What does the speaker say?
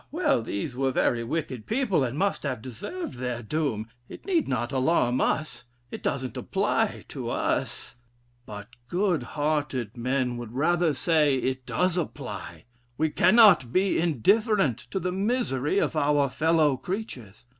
well, these were very wicked people, and must have deserved their doom; it need not alarm us: it doesn't apply to us.' But good hearted men would rather say, 'It does apply. We cannot be indifferent to the misery of our fellow creatures.